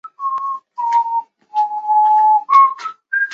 吉隆坡第二国际机场站同时开放运营。